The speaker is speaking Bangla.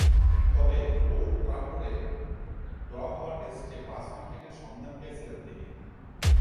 তবে, ওল্ড ট্রাফোর্ডে ড্র হওয়া টেস্টে পাঁচ উইকেটের সন্ধান পেয়েছিলেন তিনি।